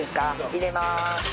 入れます。